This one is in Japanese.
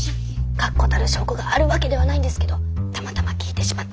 確固たる証拠があるわけではないんですけどたまたま聞いてしまって。